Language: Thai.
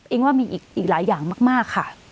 ว่ามีอีกหลายอย่างมากค่ะ